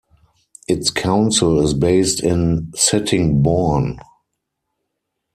Its council is based in Sittingbourne.